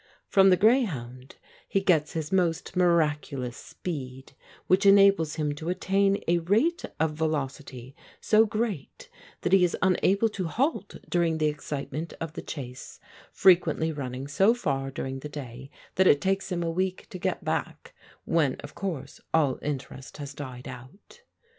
From the grayhound he gets his most miraculous speed, which enables him to attain a rate of velocity so great that he is unable to halt during the excitement of the chase, frequently running so far during the day that it takes him a week to get back, when, of course, all interest has died out.